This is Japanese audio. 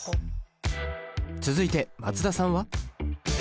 続いて松田さんは？